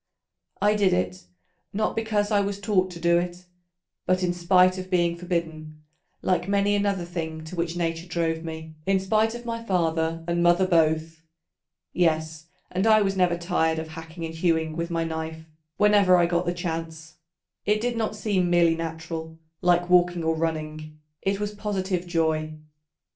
I did it, not because I was taught to do it, but in spite of being forbidden, like many another thing to which nature drove me, in spite of my father and mother both. Yes, and I was never tired of hacking and hewing with my knife whenever I got the chance: it did not seem merely natural, like walking or running, it was positive joy.